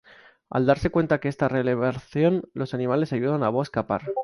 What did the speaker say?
Al darse cuenta de esta revelación, los animales ayudan a Bo a escapar.